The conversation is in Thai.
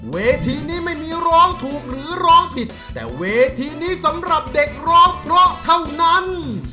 เวทีนี้ไม่มีร้องถูกหรือร้องผิดแต่เวทีนี้สำหรับเด็กร้องเพราะเท่านั้น